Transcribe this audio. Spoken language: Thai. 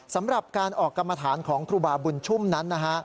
สำหรับการออกกรรมฐานของครูบาบุญชุ่มนั้นนะฮะ